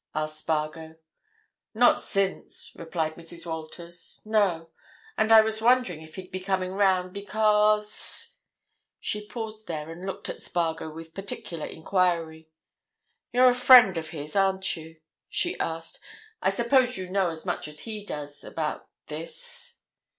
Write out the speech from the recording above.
asked Spargo. "Not since," replied Mrs. Walters. "No—and I was wondering if he'd be coming round, because——" She paused there and looked at Spargo with particular enquiry—"You're a friend of his, aren't you?" she asked. "I suppose you know as much as he does—about this?"